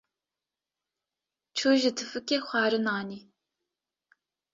Çû ji tifikê xwarin anî.